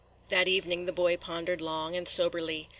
That evening the boy pondered long and soberly.